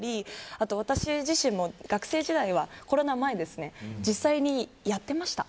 あとは私自身も学生時代はコロナ前、実際にやってました。